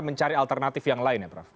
mencari alternatif yang lain ya prof